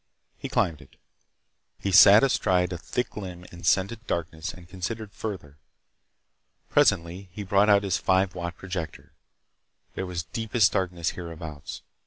He climbed it. He sat astride a thick limb in scented darkness and considered further. Presently he brought out his five watt projector. There was deepest darkness hereabouts.